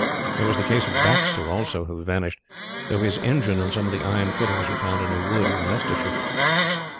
There was the case of Baxter also, who vanished, though his engine and some of the iron fixings were found in a wood in Leicestershire.